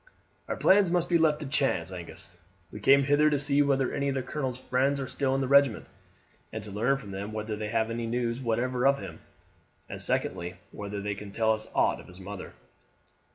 "Our plans must be left to chance, Angus. We came hither to see whether any of the colonel's friends are still in the regiment, and to learn from them whether they have any news whatever of him; and secondly, whether they can tell us aught of his mother."